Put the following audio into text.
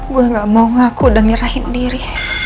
gue enggak mau ngaku dan nyerahin diri